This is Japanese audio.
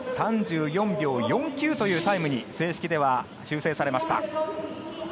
３４秒４９というタイムに正式では修正されました。